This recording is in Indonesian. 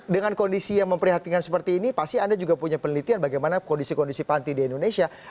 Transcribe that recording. dengan kondisi yang memprihatinkan seperti ini pasti anda juga punya penelitian bagaimana kondisi kondisi panti di indonesia